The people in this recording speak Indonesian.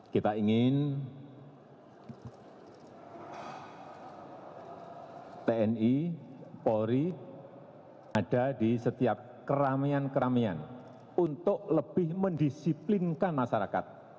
kita ingin tni polri ada di setiap keramaian keramaian untuk lebih mendisiplinkan masyarakat